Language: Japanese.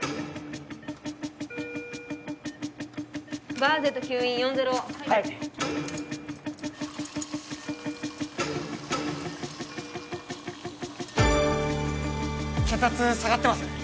ガーゼと吸引４−０はい血圧下がってます